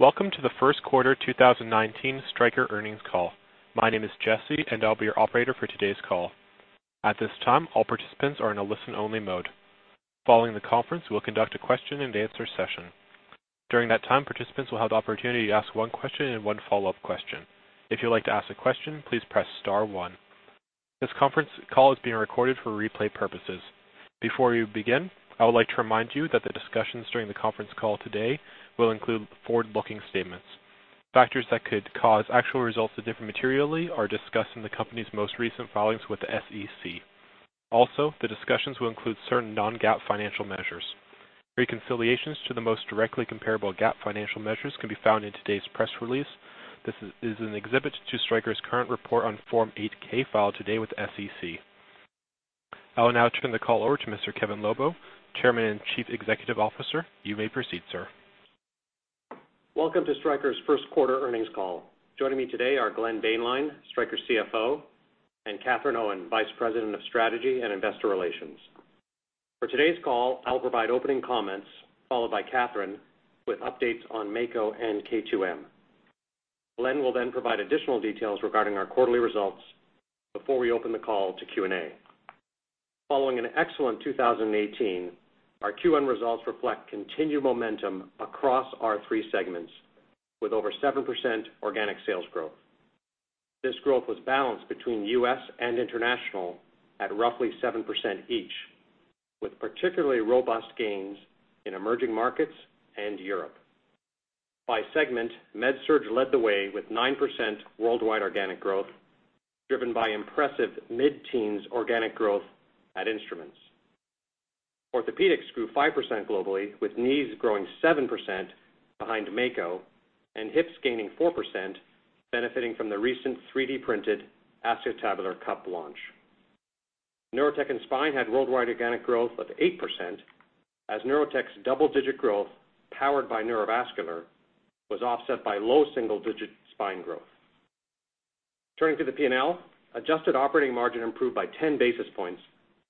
Welcome to the first quarter 2019 Stryker earnings call. My name is Jesse, and I'll be your operator for today's call. At this time, all participants are in a listen-only mode. Following the conference, we'll conduct a question and answer session. During that time, participants will have the opportunity to ask one question and one follow-up question. If you'd like to ask a question, please press star one. This conference call is being recorded for replay purposes. Before we begin, I would like to remind you that the discussions during the conference call today will include forward-looking statements. Factors that could cause actual results to differ materially are discussed in the company's most recent filings with the SEC. Also, the discussions will include certain non-GAAP financial measures. Reconciliations to the most directly comparable GAAP financial measures can be found in today's press release. This is in Exhibit two, Stryker's current report on Form 8-K filed today with the SEC. I will now turn the call over to Mr. Kevin Lobo, Chairman and Chief Executive Officer. You may proceed, sir. Welcome to Stryker's first quarter earnings call. Joining me today are Glenn Boehnlein, Stryker CFO; and Katherine Owen, Vice President of Strategy and Investor Relations. For today's call, I'll provide opening comments, followed by Katherine with updates on Mako and K2M. Glenn will then provide additional details regarding our quarterly results before we open the call to Q&A. Following an excellent 2018, our Q1 results reflect continued momentum across our three segments, with over 7% organic sales growth. This growth was balanced between U.S. and international at roughly 7% each, with particularly robust gains in emerging markets and Europe. By segment, MedSurg led the way with 9% worldwide organic growth, driven by impressive mid-teens organic growth at Instruments. Orthopaedics grew 5% globally, with knees growing 7% behind Mako and hips gaining 4%, benefiting from the recent 3D-printed acetabular cup launch. Neurotechnology and Spine had worldwide organic growth of 8%, as Neurotechnology's double-digit growth, powered by neurovascular, was offset by low single-digit spine growth. Turning to the P&L, adjusted operating margin improved by 10 basis points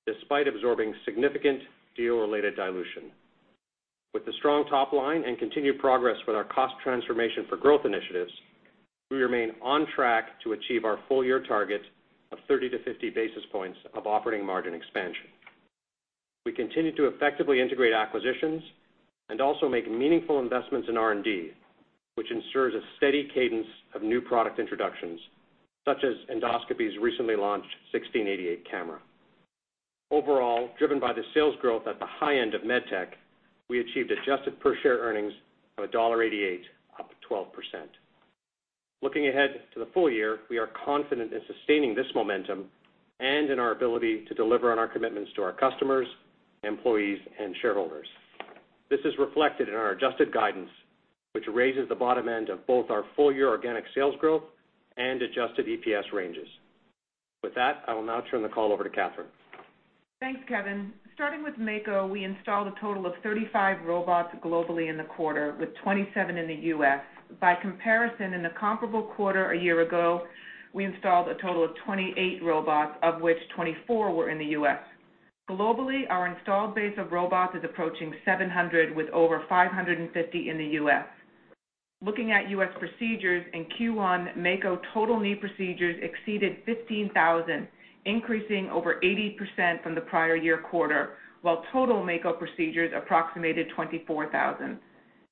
despite absorbing significant deal-related dilution. With the strong top line and continued progress with our cost transformation for growth initiatives, we remain on track to achieve our full-year target of 30 to 50 basis points of operating margin expansion. We continue to effectively integrate acquisitions and also make meaningful investments in R&D, which ensures a steady cadence of new product introductions, such as Endoscopy's recently launched 1688 camera. Overall, driven by the sales growth at the high end of MedTech, we achieved adjusted per-share earnings of $1.88, up 12%. Looking ahead to the full year, we are confident in sustaining this momentum and in our ability to deliver on our commitments to our customers, employees, and shareholders. This is reflected in our adjusted guidance, which raises the bottom end of both our full-year organic sales growth and adjusted EPS ranges. With that, I will now turn the call over to Katherine. Thanks, Kevin. Starting with Mako, we installed a total of 35 robots globally in the quarter, with 27 in the U.S. By comparison, in the comparable quarter a year ago, we installed a total of 28 robots, of which 24 were in the U.S. Globally, our installed base of robots is approaching 700, with over 550 in the U.S. Looking at U.S. procedures in Q1, Mako total knee procedures exceeded 15,000, increasing over 80% from the prior year quarter, while total Mako procedures approximated 24,000.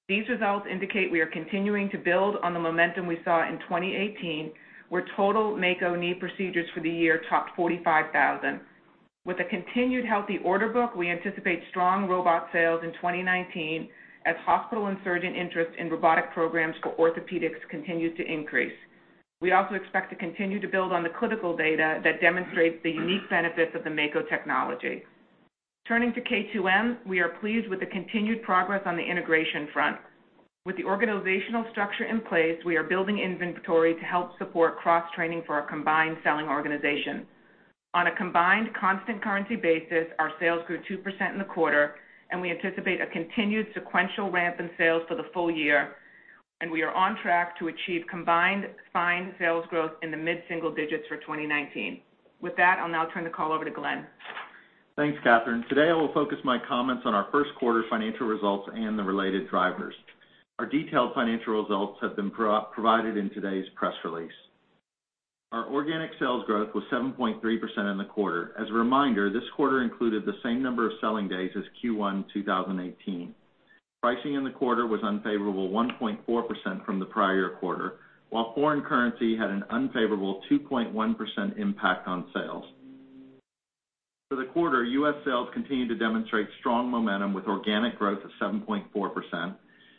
These results indicate we are continuing to build on the momentum we saw in 2018, where total Mako knee procedures for the year topped 45,000. With a continued healthy order book, we anticipate strong robot sales in 2019 as hospital and surgeon interest in robotic programs for orthopedics continues to increase. We also expect to continue to build on the clinical data that demonstrates the unique benefits of the Mako technology. Turning to K2M, we are pleased with the continued progress on the integration front. With the organizational structure in place, we are building inventory to help support cross-training for our combined selling organization. On a combined constant currency basis, our sales grew 2% in the quarter, and we anticipate a continued sequential ramp in sales for the full year. We are on track to achieve combined spine sales growth in the mid-single digits for 2019. With that, I'll now turn the call over to Glenn. Thanks, Katherine. Today, I will focus my comments on our first quarter financial results and the related drivers. Our detailed financial results have been provided in today's press release. Our organic sales growth was 7.3% in the quarter. As a reminder, this quarter included the same number of selling days as Q1 2018. Pricing in the quarter was unfavorable 1.4% from the prior quarter, while foreign currency had an unfavorable 2.1% impact on sales. For the quarter, U.S. sales continued to demonstrate strong momentum with organic growth of 7.4%,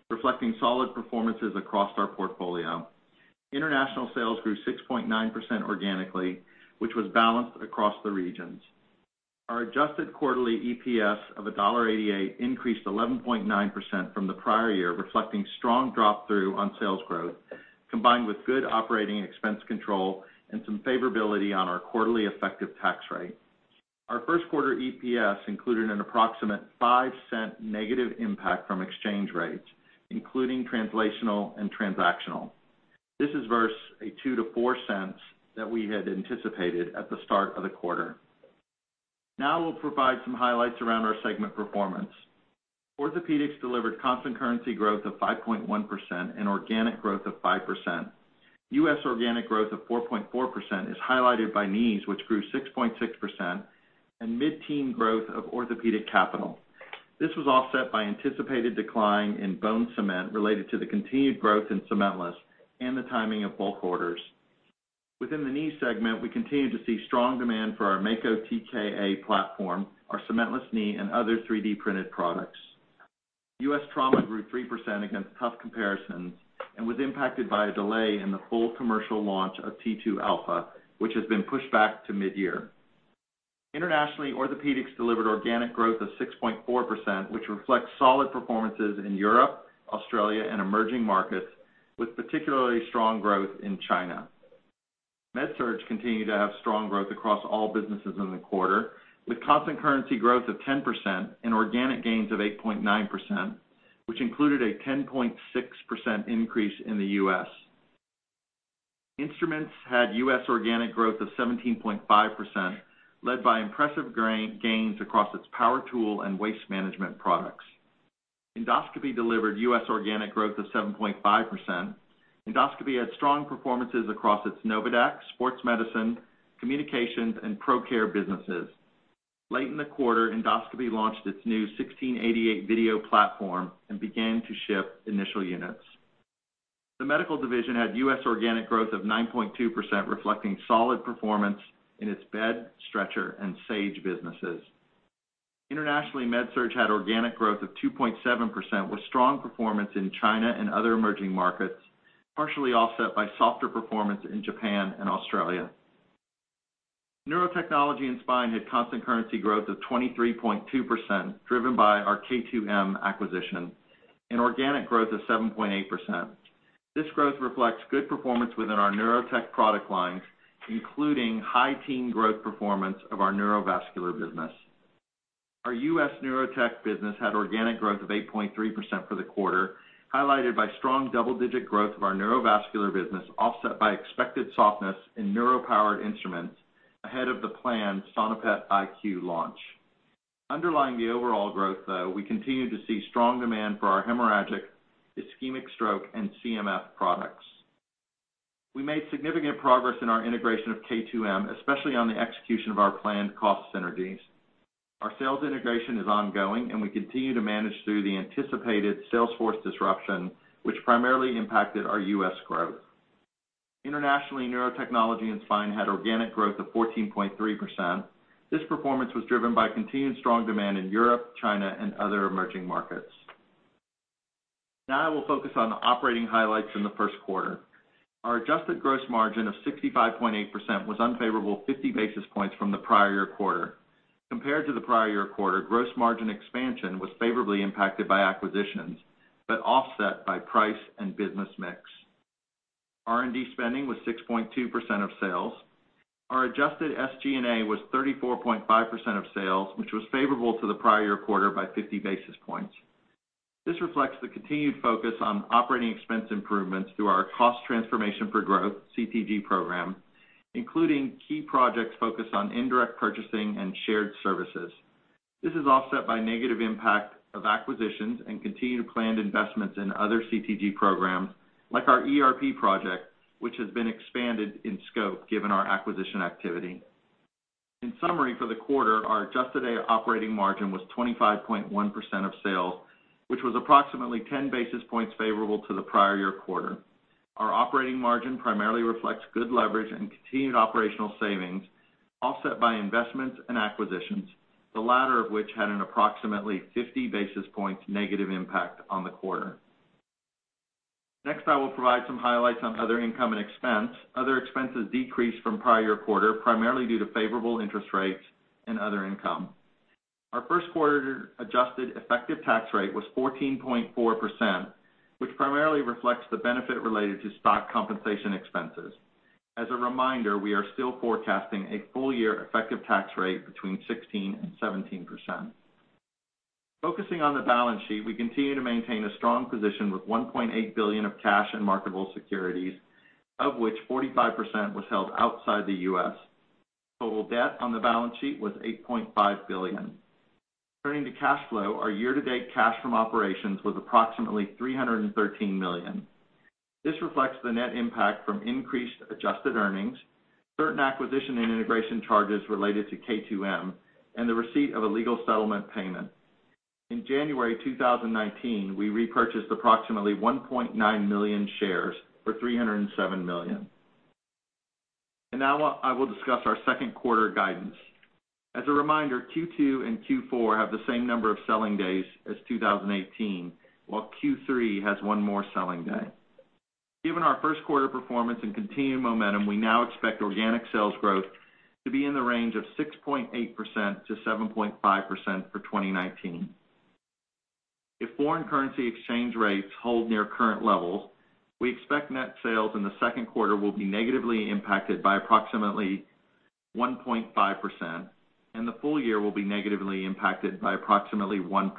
reflecting solid performances across our portfolio. International sales grew 6.9% organically, which was balanced across the regions. Our adjusted quarterly EPS of $1.88 increased 11.9% from the prior year, reflecting strong drop-through on sales growth, combined with good operating expense control and some favorability on our quarterly effective tax rate. Our first quarter EPS included an approximate $0.05 negative impact from exchange rates, including translational and transactional. This is versus a $0.02-$0.04 that we had anticipated at the start of the quarter. We'll provide some highlights around our segment performance. Orthopaedics delivered constant currency growth of 5.1% and organic growth of 5%. U.S. organic growth of 4.4% is highlighted by knees, which grew 6.6%, and mid-teen growth of Orthopaedics capital. This was offset by anticipated decline in bone cement related to the continued growth in cementless and the timing of bulk orders. Within the knee segment, we continue to see strong demand for our Mako TKA platform, our cementless knee, and other 3D-printed products. U.S. trauma grew 3% against tough comparisons and was impacted by a delay in the full commercial launch of T2 Alpha, which has been pushed back to mid-year. Internationally, Orthopaedics delivered organic growth of 6.4%, which reflects solid performances in Europe, Australia, and emerging markets, with particularly strong growth in China. MedSurg continued to have strong growth across all businesses in the quarter, with constant currency growth of 10% and organic gains of 8.9%, which included a 10.6% increase in the U.S. Instruments had U.S. organic growth of 17.5%, led by impressive gains across its power tool and waste management products. Endoscopy delivered U.S. organic growth of 7.5%. Endoscopy had strong performances across its NOVADAQ, sports medicine, communications, and ProCare businesses. Late in the quarter, Endoscopy launched its new 1688 video platform and began to ship initial units. The medical division had U.S. organic growth of 9.2%, reflecting solid performance in its bed, stretcher, and Sage businesses. Internationally, MedSurg had organic growth of 2.7%, with strong performance in China and other emerging markets, partially offset by softer performance in Japan and Australia. Neurotechnology and spine had constant currency growth of 23.2%, driven by our K2M acquisition, and organic growth of 7.8%. This growth reflects good performance within our Neurotechnology product lines, including high teen growth performance of our neurovascular business. Our U.S. Neurotechnology business had organic growth of 8.3% for the quarter, highlighted by strong double-digit growth of our neurovascular business, offset by expected softness in neuro-powered instruments ahead of the planned Sonopet iQ launch. Underlying the overall growth, though, we continue to see strong demand for our hemorrhagic, ischemic stroke, and CMF products. We made significant progress in our integration of K2M, especially on the execution of our planned cost synergies. Our sales integration is ongoing, and we continue to manage through the anticipated sales force disruption, which primarily impacted our U.S. growth. Internationally, Neurotechnology and spine had organic growth of 14.3%. This performance was driven by continued strong demand in Europe, China, and other emerging markets. I will focus on operating highlights in the first quarter. Our adjusted gross margin of 65.8% was unfavorable 50 basis points from the prior year quarter. Compared to the prior year quarter, gross margin expansion was favorably impacted by acquisitions, but offset by price and business mix. R&D spending was 6.2% of sales. Our adjusted SG&A was 34.5% of sales, which was favorable to the prior year quarter by 50 basis points. This reflects the continued focus on operating expense improvements through our Cost Transformation for Growth, CTG program, including key projects focused on indirect purchasing and shared services. This is offset by negative impact of acquisitions and continued planned investments in other CTG programs like our ERP project, which has been expanded in scope given our acquisition activity. In summary, for the quarter, our adjusted operating margin was 25.1% of sales, which was approximately 10 basis points favorable to the prior year quarter. Our operating margin primarily reflects good leverage and continued operational savings, offset by investments and acquisitions, the latter of which had an approximately 50 basis points negative impact on the quarter. I will provide some highlights on other income and expense. Other expenses decreased from prior year quarter, primarily due to favorable interest rates and other income. Our first quarter adjusted effective tax rate was 14.4%, which primarily reflects the benefit related to stock compensation expenses. As a reminder, we are still forecasting a full year effective tax rate between 16% and 17%. Focusing on the balance sheet, we continue to maintain a strong position with $1.8 billion of cash and marketable securities, of which 45% was held outside the U.S. Total debt on the balance sheet was $8.5 billion. Turning to cash flow, our year-to-date cash from operations was approximately $313 million. This reflects the net impact from increased adjusted earnings, certain acquisition and integration charges related to K2M, and the receipt of a legal settlement payment. In January 2019, we repurchased approximately 1.9 million shares for $307 million. Now I will discuss our second quarter guidance. As a reminder, Q2 and Q4 have the same number of selling days as 2018, while Q3 has one more selling day. Given our first quarter performance and continued momentum, we now expect organic sales growth to be in the range of 6.8%-7.5% for 2019. If foreign currency exchange rates hold near current levels, we expect net sales in the second quarter will be negatively impacted by approximately 1.5%, and the full year will be negatively impacted by approximately 1%.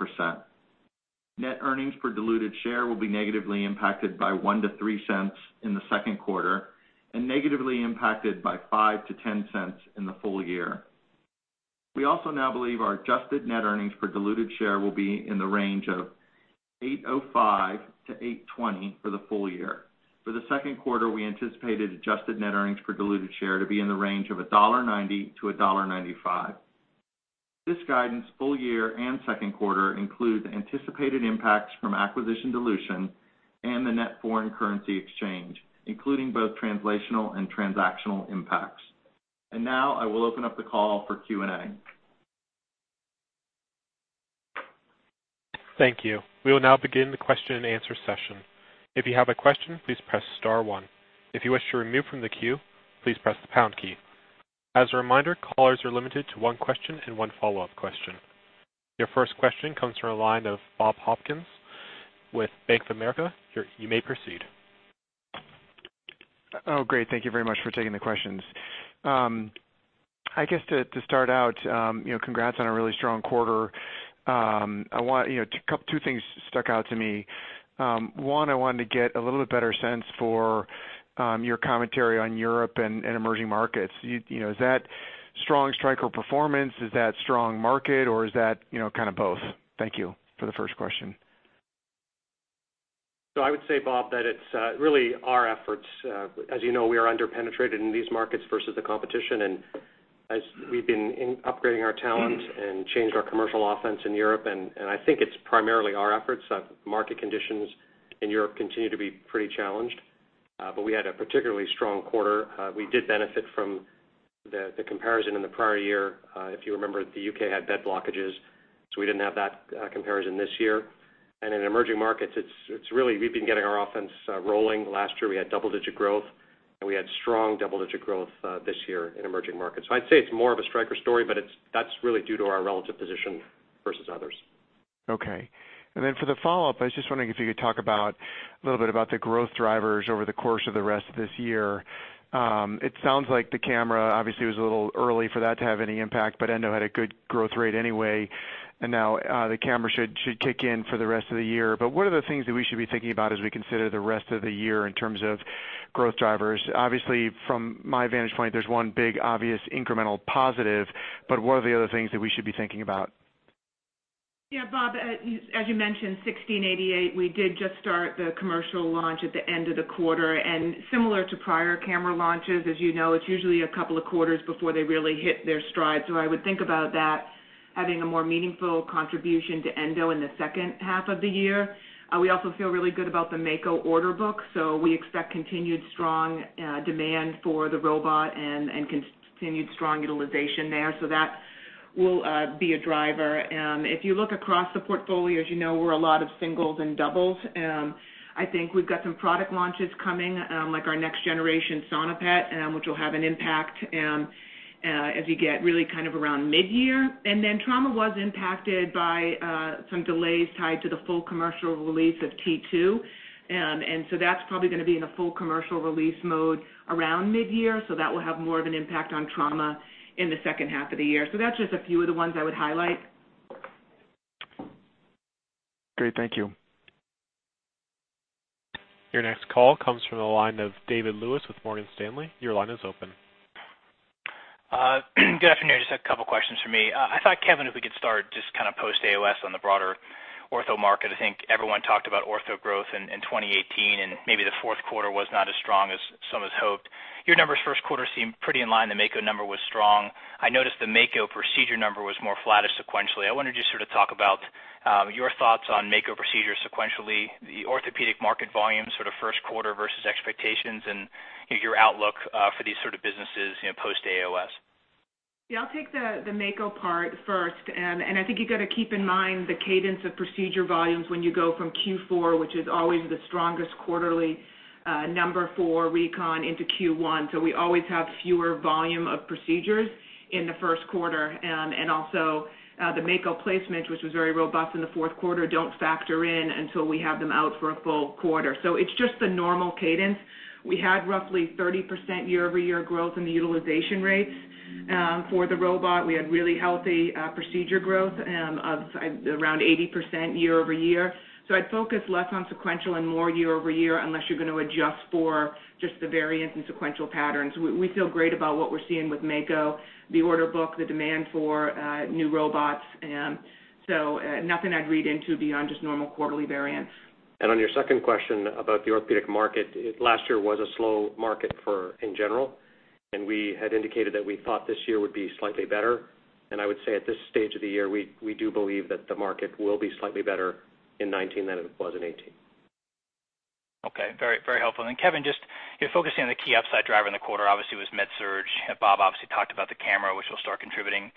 Net earnings per diluted share will be negatively impacted by $0.01-$0.03 in the second quarter, and negatively impacted by $0.05-$0.10 in the full year. We also now believe our adjusted net earnings per diluted share will be in the range of $8.05-$8.20 for the full year. For the second quarter, we anticipated adjusted net earnings per diluted share to be in the range of $1.90-$1.95. This guidance, full year and second quarter, includes anticipated impacts from acquisition dilution and the net foreign currency exchange, including both translational and transactional impacts. Now I will open up the call for Q&A. Thank you. We will now begin the question and answer session. If you have a question, please press star one. If you wish to remove from the queue, please press the pound key. As a reminder, callers are limited to one question and one follow-up question. Your first question comes from the line of Bob Hopkins with Bank of America. You may proceed. Oh, great. Thank you very much for taking the questions. I guess to start out, congrats on a really strong quarter. Two things stuck out to me. One, I wanted to get a little bit better sense for your commentary on Europe and emerging markets. Is that strong Stryker performance, is that strong market, or is that kind of both? Thank you for the first question. I would say, Bob, that it's really our efforts. As you know, we are under-penetrated in these markets versus the competition, as we've been upgrading our talent and changed our commercial offense in Europe, I think it's primarily our efforts. Market conditions in Europe continue to be pretty challenged. We had a particularly strong quarter. We did benefit from the comparison in the prior year. If you remember, the U.K. had bed blockages, we didn't have that comparison this year. In emerging markets, we've been getting our offense rolling. Last year, we had double-digit growth, we had strong double-digit growth this year in emerging markets. I'd say it's more of a Stryker story, but that's really due to our relative position versus others. Okay. For the follow-up, I was just wondering if you could talk about a little bit about the growth drivers over the course of the rest of this year. It sounds like the camera, obviously, it was a little early for that to have any impact, Endo had a good growth rate anyway, now the camera should kick in for the rest of the year. What are the things that we should be thinking about as we consider the rest of the year in terms of growth drivers? Obviously, from my vantage point, there's one big obvious incremental positive, what are the other things that we should be thinking about? Yeah, Bob, as you mentioned, 1688, we did just start the commercial launch at the end of the quarter. Similar to prior camera launches, as you know, it's usually a couple of quarters before they really hit their stride. I would think about that having a more meaningful contribution to Endoscopy in the second half of the year. We also feel really good about the Mako order book. We expect continued strong demand for the robot and continued strong utilization there. That will be a driver. If you look across the portfolio, as you know, we're a lot of singles and doubles. I think we've got some product launches coming, like our next generation Sonopet, which will have an impact as you get really kind of around mid-year. Trauma was impacted by some delays tied to the full commercial release of T2. That's probably going to be in a full commercial release mode around mid-year. That will have more of an impact on trauma in the second half of the year. That's just a few of the ones I would highlight. Great. Thank you. Your next call comes from the line of David Lewis with Morgan Stanley. Your line is open. Good afternoon. Just a couple of questions for me. I thought, Kevin, if we could start just kind of post AAOS on the broader ortho market. I think everyone talked about ortho growth in 2018. Maybe the fourth quarter was not as strong as some had hoped. Your numbers first quarter seemed pretty in line. The Mako number was strong. I noticed the Mako procedure number was more flattish sequentially. I wonder if you'd sort of talk about your thoughts on Mako procedures sequentially, the orthopedic market volume sort of first quarter versus expectations, and your outlook for these sort of businesses post AAOS. Yeah, I'll take the Mako part first. I think you got to keep in mind the cadence of procedure volumes when you go from Q4, which is always the strongest quarterly number for recon into Q1. We always have fewer volume of procedures in the first quarter. The Mako placements, which was very robust in the fourth quarter, don't factor in until we have them out for a full quarter. It's just the normal cadence. We had roughly 30% year-over-year growth in the utilization rates. For the robot, we had really healthy procedure growth of around 80% year-over-year. I'd focus less on sequential and more year-over-year, unless you're going to adjust for just the variance in sequential patterns. We feel great about what we're seeing with Mako, the order book, the demand for new robots. Nothing I'd read into beyond just normal quarterly variance. On your second question about the orthopedic market, last year was a slow market in general, and we had indicated that we thought this year would be slightly better. I would say at this stage of the year, we do believe that the market will be slightly better in 2019 than it was in 2018. Okay. Very helpful. Kevin, just you're focusing on the key upside driver in the quarter obviously was MedSurg. Bob obviously talked about the camera, which will start contributing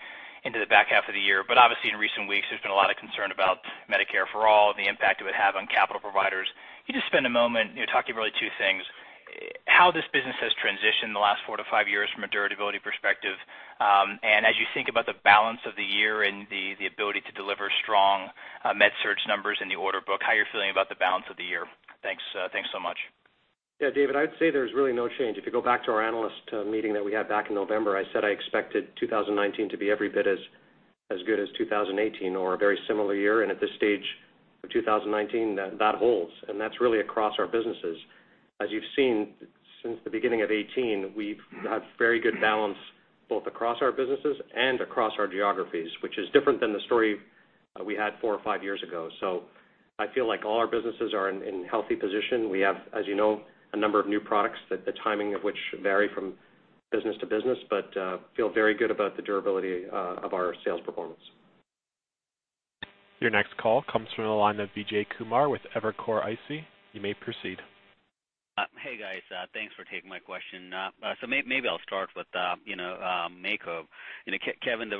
into the back half of the year. In recent weeks, there's been a lot of concern about Medicare for All and the impact it would have on capital providers. Can you just spend a moment talking really two things, how this business has transitioned in the last four to five years from a durability perspective, and as you think about the balance of the year and the ability to deliver strong MedSurg numbers in the order book, how you're feeling about the balance of the year? Thanks so much Yeah, David, I'd say there's really no change. If you go back to our analyst meeting that we had back in November, I said I expected 2019 to be every bit as good as 2018 or a very similar year. At this stage of 2019, that holds. That's really across our businesses. As you've seen since the beginning of 2018, we've had very good balance both across our businesses and across our geographies, which is different than the story we had four or five years ago. I feel like all our businesses are in healthy position. We have, as you know, a number of new products that the timing of which vary from business to business, but feel very good about the durability of our sales performance. Your next call comes from the line of Vijay Kumar with Evercore ISI. You may proceed. Hey, guys. Thanks for taking my question. Maybe I'll start with Mako. Kevin,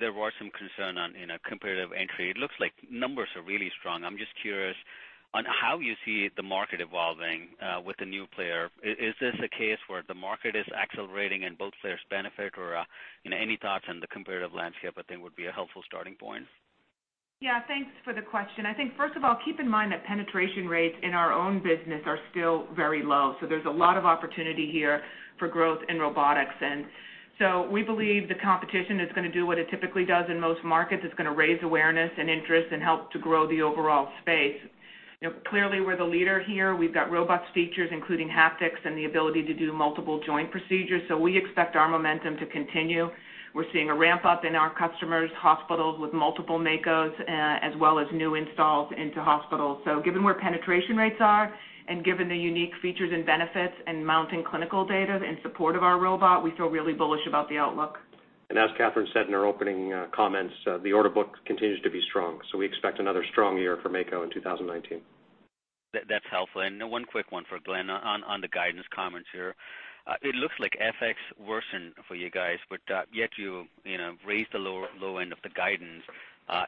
there was some concern on competitive entry. It looks like numbers are really strong. I'm just curious on how you see the market evolving with the new player. Is this a case where the market is accelerating and both players benefit? Any thoughts on the competitive landscape, I think, would be a helpful starting point. Yeah. Thanks for the question. I think, first of all, keep in mind that penetration rates in our own business are still very low. There's a lot of opportunity here for growth in robotics. We believe the competition is going to do what it typically does in most markets. It's going to raise awareness and interest and help to grow the overall space. Clearly, we're the leader here. We've got robust features, including haptics and the ability to do multiple joint procedures. We expect our momentum to continue. We're seeing a ramp-up in our customers' hospitals with multiple Makos as well as new installs into hospitals. Given where penetration rates are and given the unique features and benefits and mounting clinical data in support of our robot, we feel really bullish about the outlook. As Katherine said in our opening comments, the order book continues to be strong, we expect another strong year for Mako in 2019. That's helpful. One quick one for Glenn on the guidance comments here. It looks like FX worsened for you guys, yet you raised the low end of the guidance.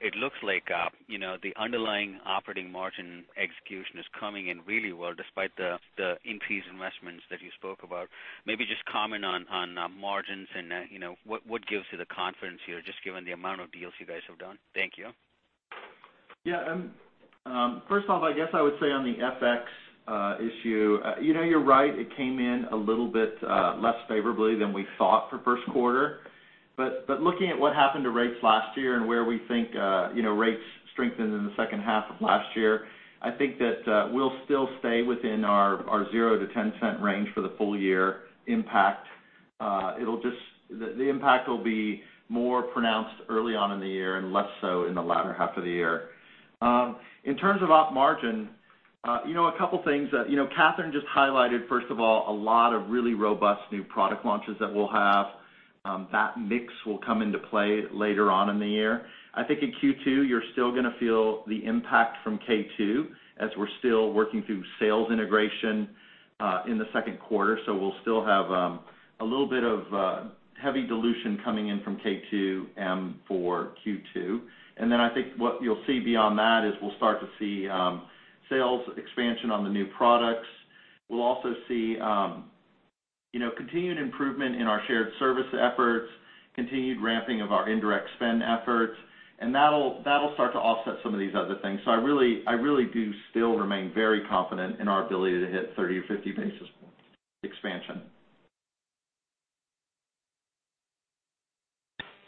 It looks like the underlying operating margin execution is coming in really well despite the increased investments that you spoke about. Maybe just comment on margins and what gives you the confidence here, just given the amount of deals you guys have done. Thank you. Yeah. First off, I guess I would say on the FX issue, you're right. It came in a little bit less favorably than we thought for first quarter. Looking at what happened to rates last year and where we think rates strengthened in the second half of last year, I think that we'll still stay within our zero to $0.10 range for the full year impact. The impact will be more pronounced early on in the year and less so in the latter half of the year. In terms of op margin, a couple of things. Katherine just highlighted, first of all, a lot of really robust new product launches that we'll have. That mix will come into play later on in the year. I think in Q2, you're still going to feel the impact from K2M as we're still working through sales integration in the second quarter. We'll still have a little bit of heavy dilution coming in from K2M for Q2. Then I think what you'll see beyond that is we'll start to see sales expansion on the new products. We'll also see continued improvement in our shared service efforts, continued ramping of our indirect spend efforts, and that'll start to offset some of these other things. I really do still remain very confident in our ability to hit 30 to 50 basis point expansion.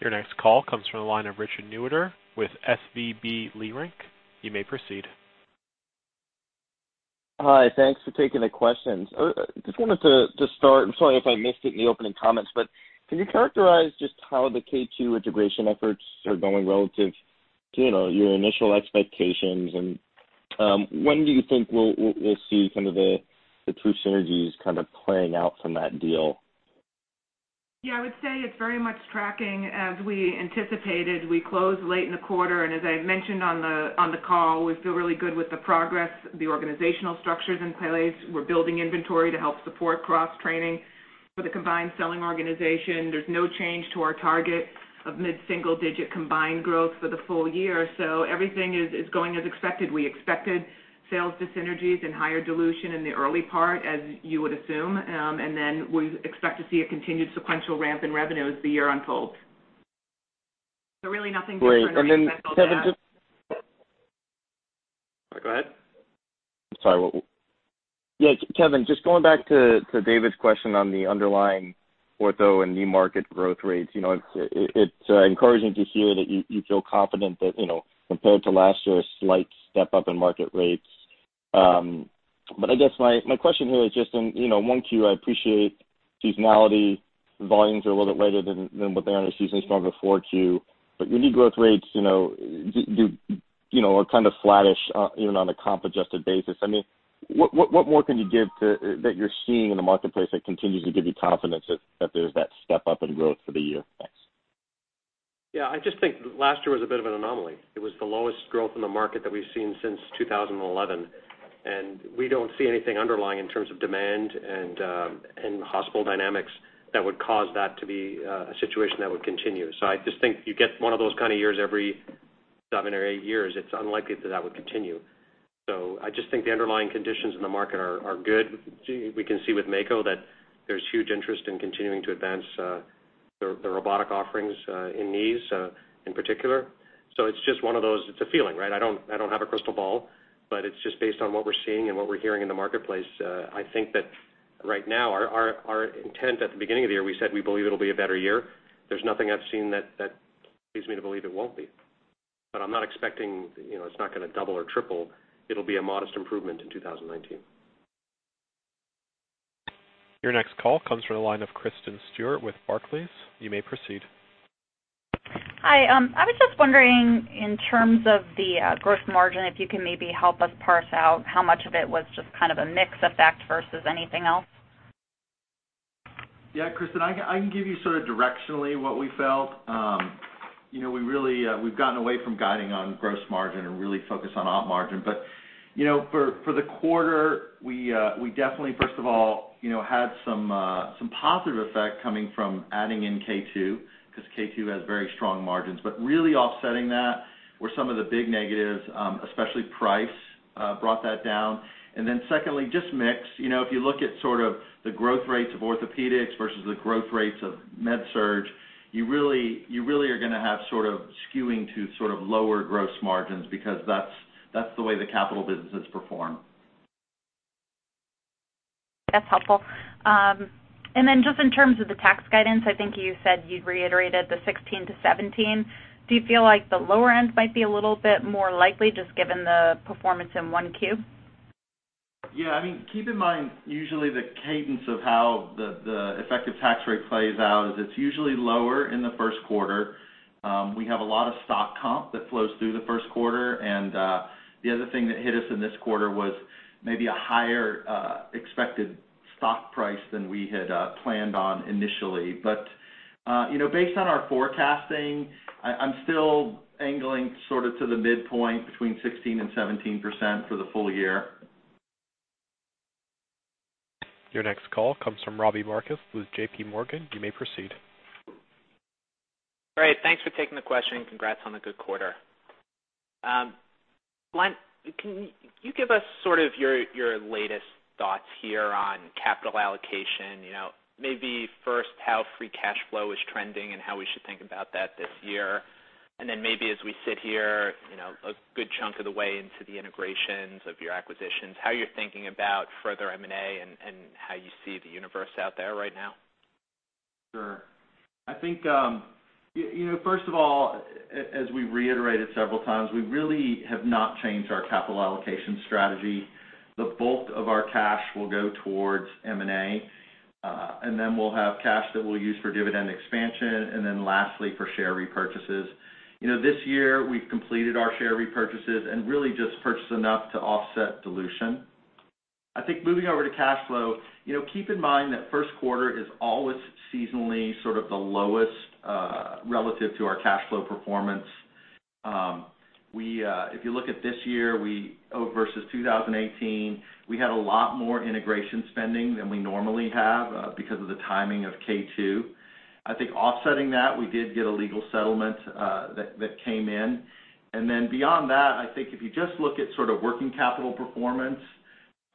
Your next call comes from the line of Richard Newitter with SVB Leerink. You may proceed. Hi, thanks for taking the questions. Just wanted to start, I'm sorry if I missed it in the opening comments, but can you characterize just how the K2M integration efforts are going relative to your initial expectations? When do you think we'll see some of the true synergies kind of playing out from that deal? Yeah, I would say it's very much tracking as we anticipated. We closed late in the quarter, and as I mentioned on the call, we feel really good with the progress, the organizational structures in place. We're building inventory to help support cross-training for the combined selling organization. There's no change to our target of mid-single digit combined growth for the full year. Everything is going as expected. We expected sales dis-synergies and higher dilution in the early part, as you would assume, then we expect to see a continued sequential ramp in revenue as the year unfolds. Really nothing different than we expected on that. Great. Kevin, just- Go ahead. Sorry. Yeah, Kevin, just going back to David's question on the underlying ortho and new market growth rates. It is encouraging to hear that you feel confident that compared to last year, a slight step-up in market rates. I guess my question here is just in 1Q, I appreciate seasonality, volumes are a little bit lighter than what they are in a season strong of a 4Q, but your new growth rates are kind of flattish even on a comp-adjusted basis. What more can you give that you're seeing in the marketplace that continues to give you confidence that there's that step-up in growth for the year? Thanks. Yeah, I just think last year was a bit of an anomaly. It was the lowest growth in the market that we've seen since 2011, we don't see anything underlying in terms of demand and hospital dynamics that would cause that to be a situation that would continue. I just think you get one of those kind of years every seven or eight years. It is unlikely that that would continue. I just think the underlying conditions in the market are good. We can see with Mako that. There's huge interest in continuing to advance the robotic offerings in knees in particular. It is just one of those, it's a feeling, right? I don't have a crystal ball, but it's just based on what we're seeing and what we're hearing in the marketplace. I think that right now, our intent at the beginning of the year, we said we believe it'll be a better year. There's nothing I've seen that leads me to believe it won't be. I'm not expecting, it's not going to double or triple. It'll be a modest improvement in 2019. Your next call comes from the line of Kristen Stewart with Barclays. You may proceed. Hi, I was just wondering in terms of the gross margin, if you can maybe help us parse out how much of it was just kind of a mix effect versus anything else. Yeah, Kristen, I can give you sort of directionally what we felt. We've gotten away from guiding on gross margin and really focus on op margin. For the quarter, we definitely, first of all, had some positive effect coming from adding in K2M, because K2M has very strong margins. Really offsetting that were some of the big negatives, especially price brought that down. Secondly, just mix. If you look at sort of the growth rates of Orthopaedics versus the growth rates of MedSurg, you really are going to have sort of skewing to sort of lower gross margins because that's the way the capital businesses perform. That's helpful. Just in terms of the tax guidance, I think you said you'd reiterated the 16%-17%. Do you feel like the lower end might be a little bit more likely just given the performance in 1Q? Yeah, I mean, keep in mind, usually the cadence of how the effective tax rate plays out is it's usually lower in the first quarter. We have a lot of stock comp that flows through the first quarter. The other thing that hit us in this quarter was maybe a higher expected stock price than we had planned on initially. Based on our forecasting, I'm still angling sort of to the midpoint between 16%-17% for the full year. Your next call comes from Robbie Marcus with J.P. Morgan. You may proceed. All right. Thanks for taking the question. Congrats on the good quarter. Can you give us sort of your latest thoughts here on capital allocation? Maybe first how free cash flow is trending and how we should think about that this year. Maybe as we sit here a good chunk of the way into the integrations of your acquisitions, how you're thinking about further M&A and how you see the universe out there right now. Sure. I think first of all, as we reiterated several times, we really have not changed our capital allocation strategy. The bulk of our cash will go towards M&A, and then we'll have cash that we'll use for dividend expansion, and then lastly, for share repurchases. This year we've completed our share repurchases and really just purchased enough to offset dilution. I think moving over to cash flow, keep in mind that first quarter is always seasonally sort of the lowest relative to our cash flow performance. If you look at this year versus 2018, we had a lot more integration spending than we normally have because of the timing of K2M. I think offsetting that, we did get a legal settlement that came in. Beyond that, I think if you just look at sort of working capital performance,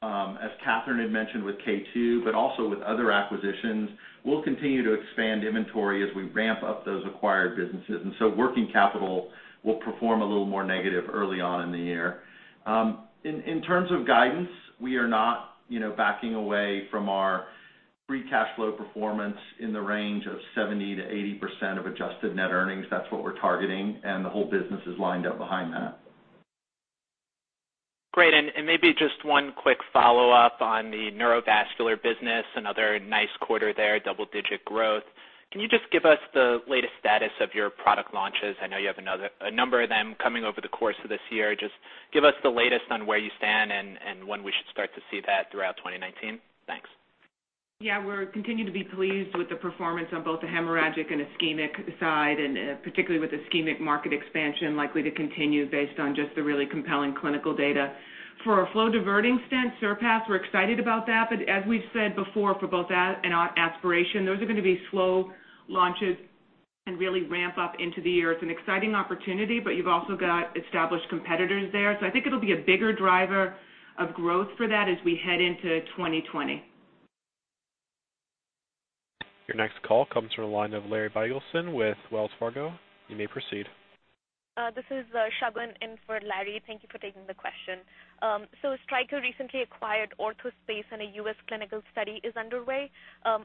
as Katherine had mentioned with K2M, but also with other acquisitions, we'll continue to expand inventory as we ramp up those acquired businesses. So working capital will perform a little more negative early on in the year. In terms of guidance, we are not backing away from our free cash flow performance in the range of 70%-80% of adjusted net earnings. That's what we're targeting, and the whole business is lined up behind that. Great. Maybe just one quick follow-up on the neurovascular business. Another nice quarter there, double-digit growth. Can you just give us the latest status of your product launches? I know you have a number of them coming over the course of this year. Just give us the latest on where you stand and when we should start to see that throughout 2019. Thanks. Yeah, we're continuing to be pleased with the performance on both the hemorrhagic and ischemic side, and particularly with ischemic market expansion likely to continue based on just the really compelling clinical data. For our flow-diverting stent, Surpass, we're excited about that, but as we've said before, for both that and aspiration, those are going to be slow launches and really ramp up into the year. It's an exciting opportunity, but you've also got established competitors there. I think it'll be a bigger driver of growth for that as we head into 2020. Your next call comes from the line of Larry Biegelsen with Wells Fargo. You may proceed. This is Shagun in for Larry. Thank you for taking the question. Stryker recently acquired Orthospace and a U.S. clinical study is underway.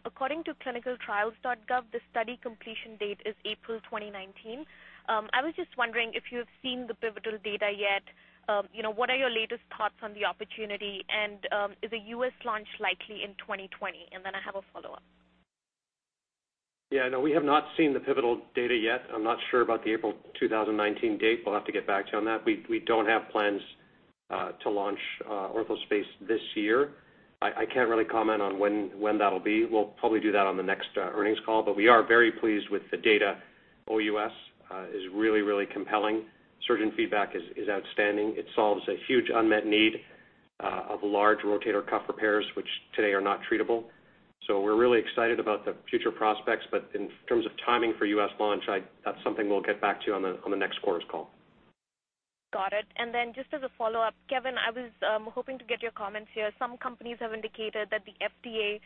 According to ClinicalTrials.gov, the study completion date is April 2019. I was just wondering if you have seen the pivotal data yet. What are your latest thoughts on the opportunity? Is a U.S. launch likely in 2020? I have a follow-up. Yeah, no, we have not seen the pivotal data yet. I'm not sure about the April 2019 date. We'll have to get back to you on that. We don't have plans to launch Orthospace this year. I can't really comment on when that'll be. We'll probably do that on the next earnings call. We are very pleased with the data OUS is really compelling. Surgeon feedback is outstanding. It solves a huge unmet need of large rotator cuff repairs, which today are not treatable. We're really excited about the future prospects, in terms of timing for U.S. launch, that's something we'll get back to you on the next quarters call. product. Just as a follow-up, Kevin, I was hoping to get your comments here. Some companies have indicated that the FDA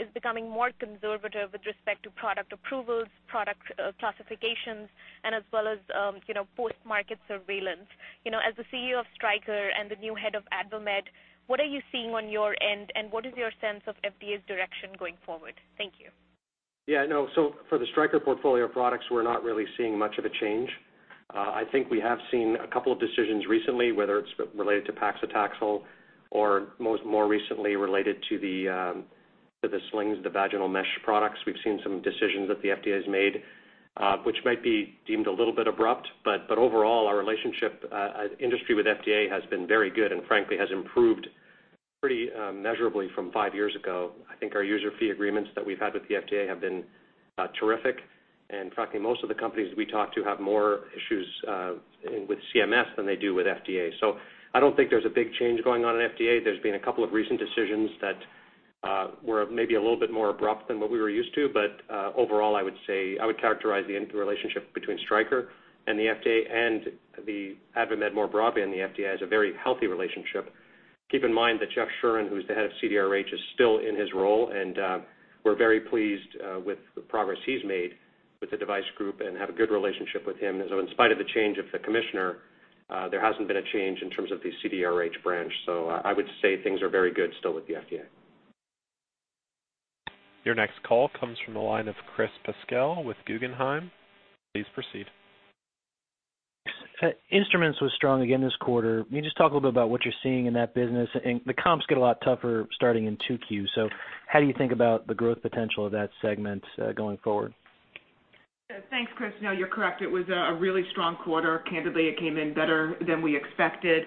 is becoming more conservative with respect to product approvals, product classifications, and as well as post-market surveillance. As the CEO of Stryker and the new head of AdvaMed, what are you seeing on your end, and what is your sense of FDA's direction going forward? Thank you. Yeah, no. For the Stryker portfolio of products, we're not really seeing much of a change. I think we have seen a couple of decisions recently, whether it's related to paclitaxel or more recently related to the slings, the vaginal mesh products. We've seen some decisions that the FDA has made, which might be deemed a little bit abrupt, overall, our relationship industry with FDA has been very good and frankly has improved pretty measurably from 5 years ago. I think our user fee agreements that we have had with the FDA have been terrific, and frankly, most of the companies we talk to have more issues with CMS than they do with FDA. I don't think there's a big change going on in FDA. There has been a couple of recent decisions that were maybe a little bit more abrupt than what we were used to, overall, I would characterize the relationship between Stryker and the FDA, and AdvaMed more broadly, and the FDA as a very healthy relationship. Keep in mind that Jeffrey Shuren, who is the head of CDRH, is still in his role, and we are very pleased with the progress he has made with the device group and have a good relationship with him. In spite of the change of the commissioner, there has not been a change in terms of the CDRH branch. I would say things are very good still with the FDA. Your next call comes from the line of Chris Pasquale with Guggenheim. Please proceed. Instruments was strong again this quarter. Can you just talk a little bit about what you are seeing in that business? The comps get a lot tougher starting in 2Q, how do you think about the growth potential of that segment going forward? Thanks, Chris. No, you're correct. It was a really strong quarter. Candidly, it came in better than we expected.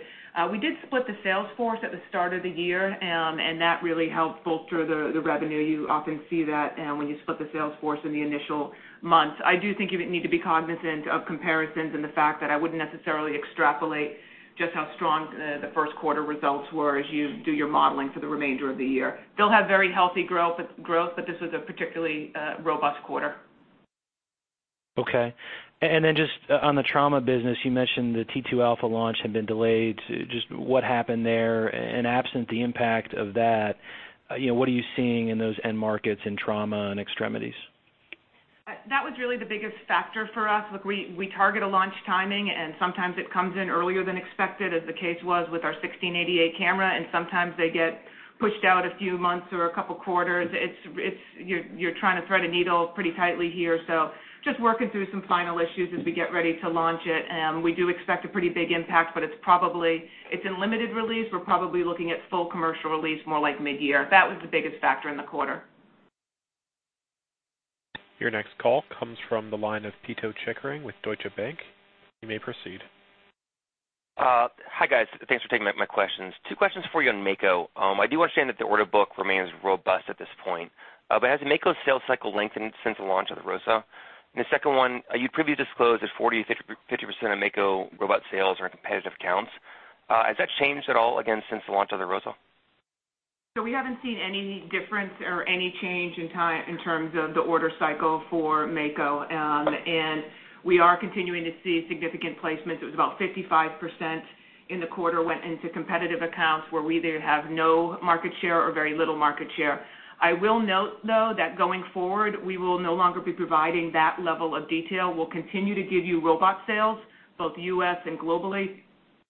We did split the sales force at the start of the year, that really helped bolster the revenue. You often see that when you split the sales force in the initial months. I do think you need to be cognizant of comparisons and the fact that I wouldn't necessarily extrapolate just how strong the first quarter results were as you do your modeling for the remainder of the year. Still have very healthy growth, this was a particularly robust quarter. Okay. Just on the trauma business, you mentioned the T2 Alpha launch had been delayed. Just what happened there, absent the impact of that, what are you seeing in those end markets in trauma and extremities? That was really the biggest factor for us. Look, we target a launch timing, sometimes it comes in earlier than expected, as the case was with our 1688 camera, sometimes they get pushed out a few months or a couple of quarters. You're trying to thread a needle pretty tightly here, just working through some final issues as we get ready to launch it. We do expect a pretty big impact, it's in limited release. We're probably looking at full commercial release more like mid-year. That was the biggest factor in the quarter. Your next call comes from the line of Pito Chickering with Deutsche Bank. You may proceed. Hi, guys. Thanks for taking my questions. Two questions for you on Mako. I do understand that the order book remains robust at this point. Has the Mako sales cycle lengthened since the launch of the ROSA? The second one, you previously disclosed that 40%-50% of Mako robot sales are in competitive accounts. Has that changed at all again since the launch of the ROSA? We haven't seen any difference or any change in terms of the order cycle for Mako. We are continuing to see significant placements. It was about 55% in the quarter went into competitive accounts where we either have no market share or very little market share. I will note, though, that going forward, we will no longer be providing that level of detail. We'll continue to give you robot sales, both U.S. and globally.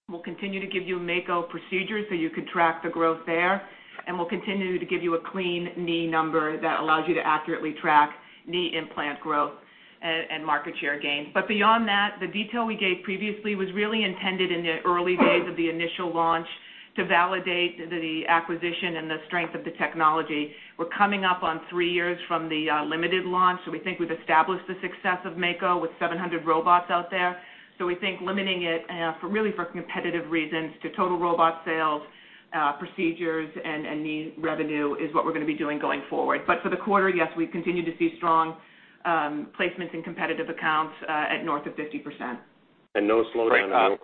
We'll continue to give you Mako procedures so you can track the growth there, and we'll continue to give you a clean knee number that allows you to accurately track knee implant growth and market share gains. Beyond that, the detail we gave previously was really intended in the early days of the initial launch to validate the acquisition and the strength of the technology. We're coming up on three years from the limited launch. We think we've established the success of Mako with 700 robots out there. We think limiting it really for competitive reasons to total robot sales, procedures, and knee revenue is what we're going to be doing going forward. For the quarter, yes, we continue to see strong placements in competitive accounts at north of 50%. No slowdown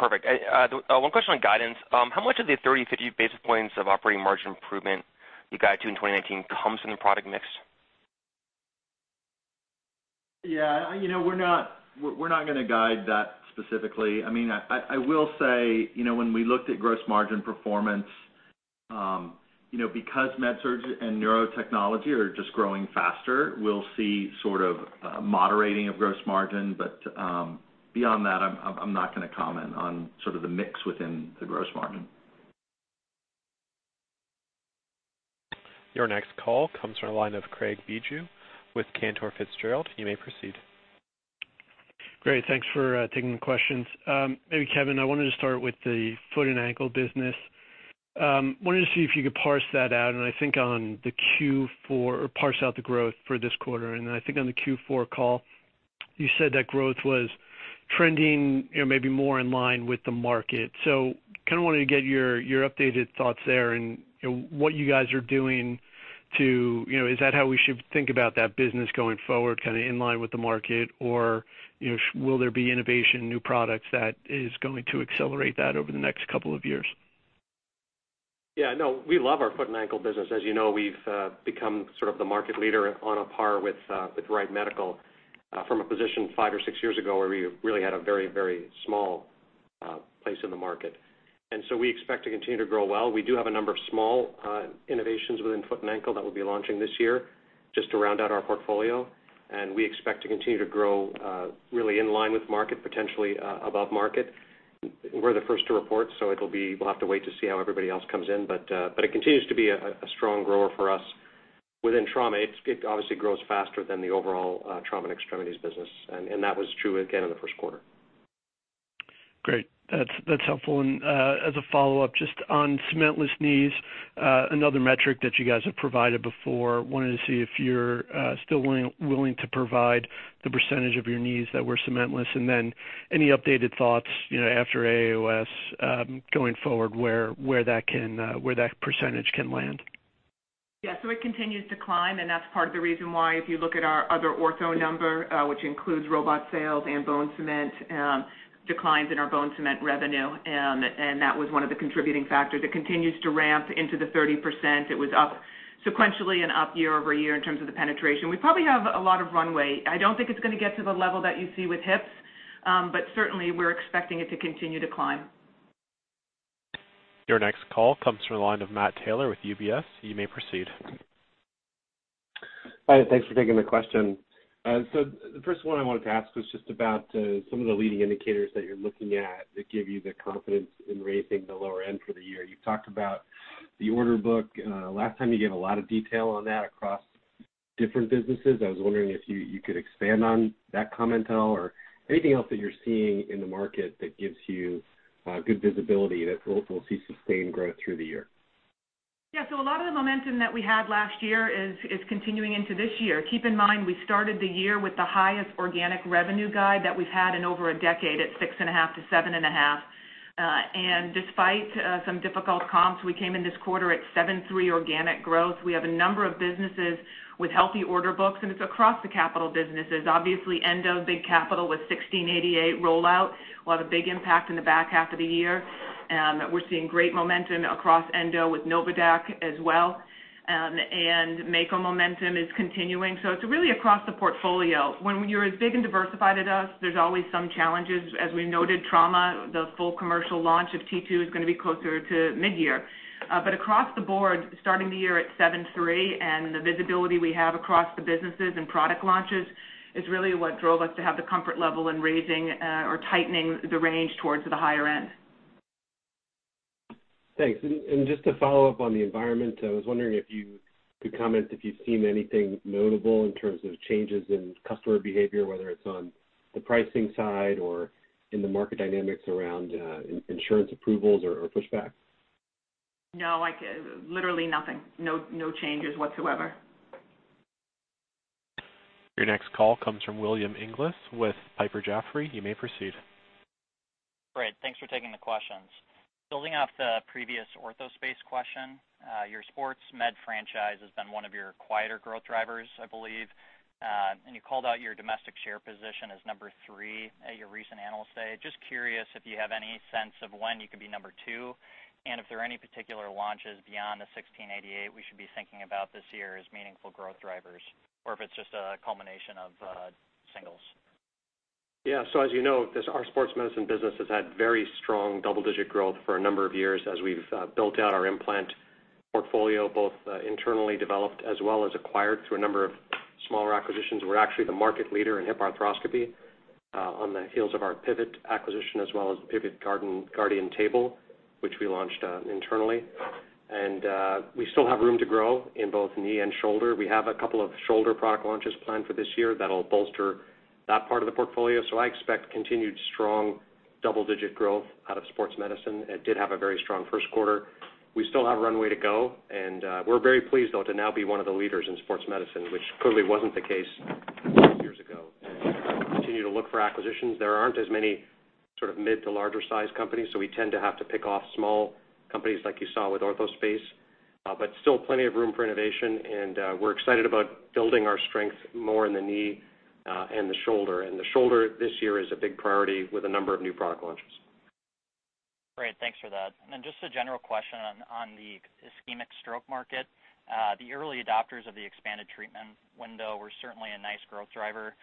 in robot sales. Perfect. One question on guidance. How much of the 30-50 basis points of operating margin improvement you guide to in 2019 comes from the product mix? Yeah. We're not going to guide that specifically. I will say, when we looked at gross margin performance, because MedSurg and Neurotechnology are just growing faster, we'll see sort of a moderating of gross margin. Beyond that, I'm not going to comment on sort of the mix within the gross margin. Your next call comes from the line of Craig Bijou with Cantor Fitzgerald. You may proceed. Great. Thanks for taking the questions. Maybe Kevin, I wanted to start with the foot and ankle business. Wanted to see if you could parse that out, or parse out the growth for this quarter. I think on the Q4 call, you said that growth was trending maybe more in line with the market. Kind of wanted to get your updated thoughts there and what you guys are doing. Is that how we should think about that business going forward, kind of in line with the market? Or will there be innovation, new products that is going to accelerate that over the next couple of years? We love our foot and ankle business. As you know, we've become sort of the market leader on a par with Wright Medical, from a position five or six years ago where we really had a very small place in the market. We expect to continue to grow well. We do have a number of small innovations within foot and ankle that we'll be launching this year just to round out our portfolio. We expect to continue to grow really in line with market, potentially above market. We're the first to report, so we'll have to wait to see how everybody else comes in. It continues to be a strong grower for us. Within trauma, it obviously grows faster than the overall trauma and extremities business, and that was true again in the first quarter. Great. That's helpful. As a follow-up, just on cementless knees, another metric that you guys have provided before, wanted to see if you're still willing to provide the percentage of your knees that were cementless, and then any updated thoughts after AAOS going forward, where that percentage can land. Yeah. It continues to climb, and that's part of the reason why, if you look at our other ortho number, which includes robot sales and bone cement, declines in our bone cement revenue, and that was one of the contributing factors. It continues to ramp into the 30%. It was up sequentially and up year-over-year in terms of the penetration. We probably have a lot of runway. I don't think it's going to get to the level that you see with hips, certainly, we're expecting it to continue to climb. Your next call comes from the line of Matthew Taylor with UBS. You may proceed. Hi, thanks for taking the question. The first one I wanted to ask was just about some of the leading indicators that you're looking at that give you the confidence in raising the lower end for the year. You've talked about the order book. Last time you gave a lot of detail on that across different businesses. I was wondering if you could expand on that comment at all, or anything else that you're seeing in the market that gives you good visibility that we'll see sustained growth through the year. Yeah. A lot of the momentum that we had last year is continuing into this year. Keep in mind, we started the year with the highest organic revenue guide that we've had in over a decade at 6.5%-7.5%. Despite some difficult comps, we came in this quarter at 7.3% organic growth. We have a number of businesses with healthy order books, it's across the capital businesses. Obviously, endo, big capital with 1688 rollout, will have a big impact in the back half of the year. We're seeing great momentum across endo with NOVADAQ as well, Mako momentum is continuing. It's really across the portfolio. When you're as big and diversified as us, there's always some challenges. As we noted, trauma, the full commercial launch of T2 is going to be closer to mid-year. Across the board, starting the year at 7.3% and the visibility we have across the businesses and product launches is really what drove us to have the comfort level in raising or tightening the range towards the higher end. Thanks. Just to follow up on the environment, I was wondering if you could comment if you've seen anything notable in terms of changes in customer behavior, whether it's on the pricing side or in the market dynamics around insurance approvals or pushback. No, literally nothing. No changes whatsoever. Your next call comes from William Inglis with Piper Jaffray. You may proceed. Great. Thanks for taking the questions. Building off the previous OrthoSpace question, your sports med franchise has been one of your quieter growth drivers, I believe. You called out your domestic share position as number 3 at your recent analyst day. Curious if you have any sense of when you could be number 2, and if there are any particular launches beyond the 1688 we should be thinking about this year as meaningful growth drivers, or if it's just a culmination of singles. Yeah. As you know, our sports medicine business has had very strong double-digit growth for a number of years as we've built out our implant portfolio, both internally developed as well as acquired through a number of smaller acquisitions. We're actually the market leader in hip arthroscopy on the heels of our Pivot acquisition as well as the Pivot Guardian table, which we launched internally. We still have room to grow in both knee and shoulder. We have a couple of shoulder product launches planned for this year that'll bolster that part of the portfolio. I expect continued strong double-digit growth out of sports medicine. It did have a very strong first quarter. We still have runway to go, and we're very pleased, though, to now be one of the leaders in sports medicine, which clearly wasn't the case a few years ago. We continue to look for acquisitions. There aren't as many sort of mid to larger-sized companies, so we tend to have to pick off small companies like you saw with OrthoSpace. Still plenty of room for innovation, and we're excited about building our strength more in the knee and the shoulder. The shoulder this year is a big priority with a number of new product launches. Great, thanks for that. Then just a general question on the ischemic stroke market. The early adopters of the expanded treatment window were certainly a nice growth driver.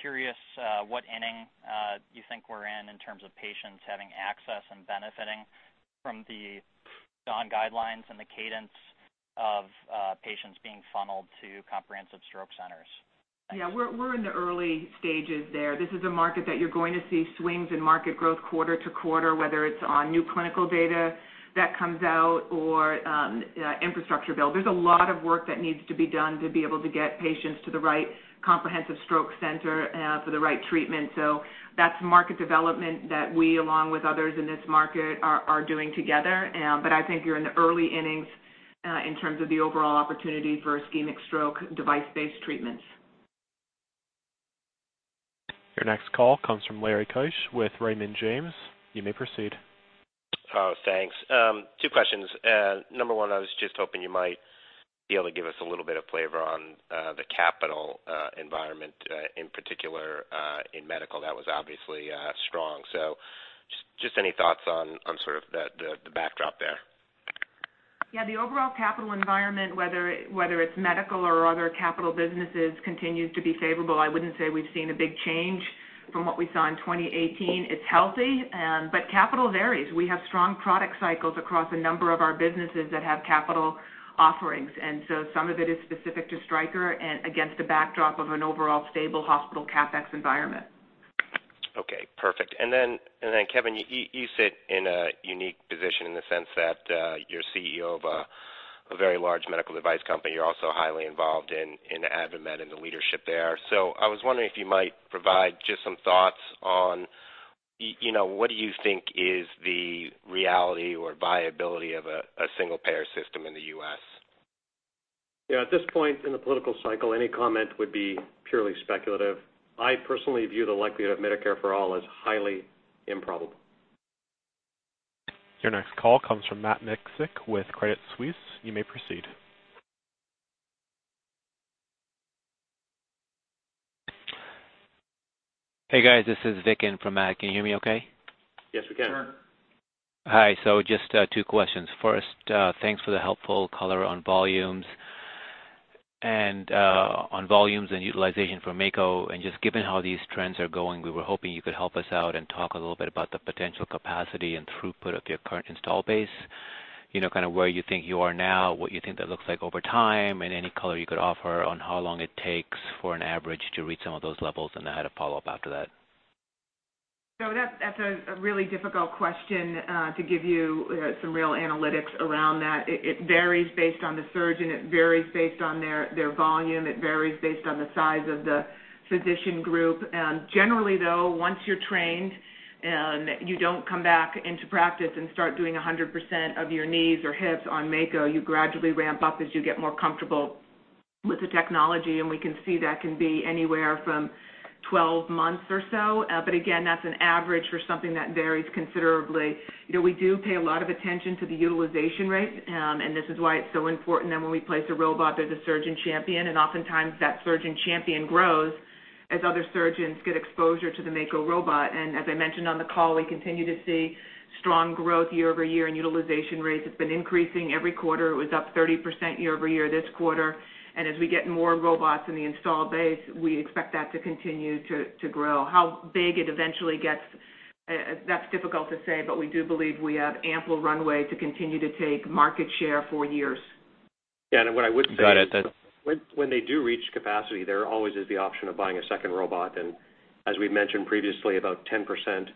Curious what inning you think we're in terms of patients having access and benefiting from the DAWN guidelines and the cadence of patients being funneled to comprehensive stroke centers. We're in the early stages there. This is a market that you're going to see swings in market growth quarter to quarter, whether it's on new clinical data that comes out or infrastructure build. There's a lot of work that needs to be done to be able to get patients to the right comprehensive stroke center for the right treatment. That's market development that we, along with others in this market, are doing together. I think you're in the early innings in terms of the overall opportunity for ischemic stroke device-based treatments. Your next call comes from Larry Keusch with Raymond James. You may proceed. Oh, thanks. Two questions. Number one, I was just hoping you might Be able to give us a little bit of flavor on the capital environment, in particular, in medical, that was obviously strong. Any thoughts on the backdrop there? Yeah, the overall capital environment, whether it's medical or other capital businesses, continues to be favorable. I wouldn't say we've seen a big change from what we saw in 2018. It's healthy, but capital varies. We have strong product cycles across a number of our businesses that have capital offerings, some of it is specific to Stryker and against the backdrop of an overall stable hospital CapEx environment. Okay, perfect. Kevin, you sit in a unique position in the sense that you're CEO of a very large medical device company. You're also highly involved in Abiomed and the leadership there. I was wondering if you might provide just some thoughts on what do you think is the reality or viability of a single-payer system in the U.S.? Yeah. At this point in the political cycle, any comment would be purely speculative. I personally view the likelihood of Medicare for All as highly improbable. Your next call comes from Matt Miksic with Credit Suisse. You may proceed. Hey, guys. This is Vik in for Matt. Can you hear me okay? Yes, we can. Sure. Hi. Just two questions. First, thanks for the helpful color on volumes and utilization for Mako. Just given how these trends are going, we were hoping you could help us out and talk a little bit about the potential capacity and throughput of your current install base, kind of where you think you are now, what you think that looks like over time, and any color you could offer on how long it takes for an average to reach some of those levels. I had a follow-up after that. That's a really difficult question to give you some real analytics around that. It varies based on the surgeon, it varies based on their volume, it varies based on the size of the physician group. Generally, though, once you're trained, you don't come back into practice and start doing 100% of your knees or hips on Mako. You gradually ramp up as you get more comfortable with the technology. We can see that can be anywhere from 12 months or so. Again, that's an average for something that varies considerably. We do pay a lot of attention to the utilization rate. This is why it's so important that when we place a robot, there's a surgeon champion. Oftentimes that surgeon champion grows as other surgeons get exposure to the Mako robot. As I mentioned on the call, we continue to see strong growth year-over-year in utilization rates. It's been increasing every quarter. It was up 30% year-over-year this quarter. As we get more robots in the install base, we expect that to continue to grow. How big it eventually gets, that's difficult to say. We do believe we have ample runway to continue to take market share for years. Yeah, what I would say. Got it. When they do reach capacity, there always is the option of buying a second robot. As we've mentioned previously, about 10%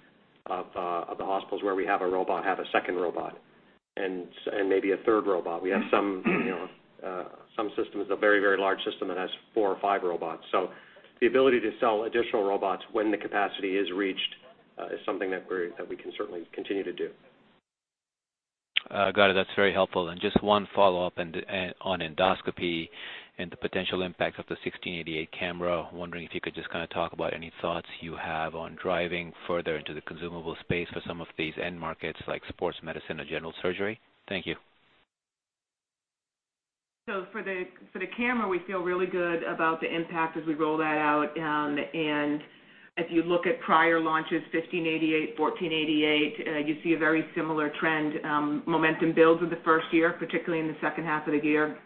of the hospitals where we have a robot have a second robot and maybe a third robot. We have some systems, a very large system that has four or five robots. The ability to sell additional robots when the capacity is reached is something that we can certainly continue to do. Got it. That's very helpful. Just one follow-up on Endoscopy and the potential impact of the 1688 camera. Wondering if you could just kind of talk about any thoughts you have on driving further into the consumable space for some of these end markets, like sports medicine or general surgery. Thank you. For the camera, we feel really good about the impact as we roll that out. If you look at prior launches, 1588, 1488, you see a very similar trend. Momentum builds in the first year, particularly in the second half of the year,